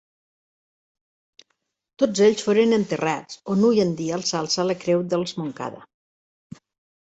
Tots ells foren enterrats on hui en dia s'alça la Creu dels Montcada.